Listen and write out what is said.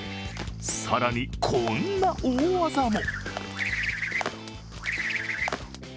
更にこんな大技も。